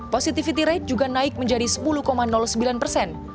positivity rate juga naik menjadi sepuluh sembilan persen